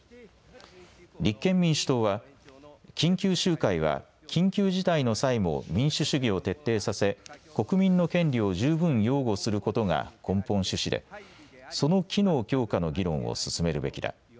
立憲民主党は緊急集会は緊急事態の際も民主主義を徹底させ国民の権利を十分擁護することが根本趣旨でその機能強化の議論を進めるべきだ。